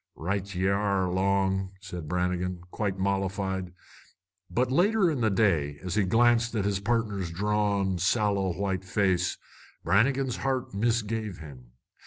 "Right ye are, Long," said Brannigan, quite mollified. But later in the day, as he glanced at his partner's drawn, sallow white face, Brannigan's heart misgave him.